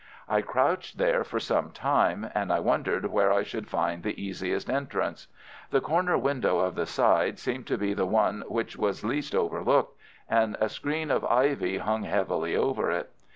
I crouched there for some time, and I wondered where I should find the easiest entrance. The corner window of the side seemed to be the one which was least overlooked, and a screen of ivy hung heavily over it.